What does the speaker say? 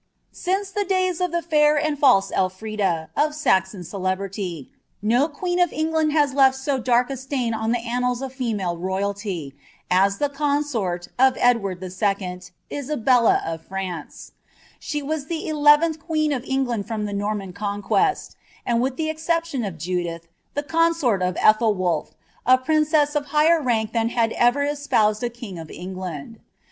8t\CE the days of ihe fair and false ElTrida, of Saxon celrf (jueeti of England has left so dark a slain on ihe annals of fniia!« ally, as ilie consort of Edward II., Isabella of France. Sh^ wai ihi eleventh queen of England from Ihe Nomian Conquest, and with ibf exception of Judith, the consort of Ethelwolph, a prinr ess of higbtr rank ihan had ever espoused a king of England.